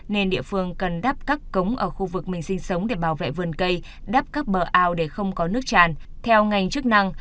nên địa phương cần đắp các cống ở khu vực mình sinh sống để bảo vệ vườn cây đắp các bờ ao để không có nước tràn